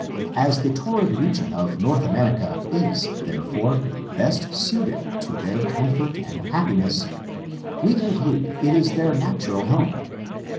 As the torrid region of North America is, therefore, best suited to their comfort and happiness, we conclude it is their natural home.